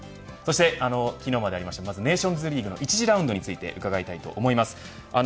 昨日まであったネーションズリーグ１次ラウンドについて伺いたいと思います。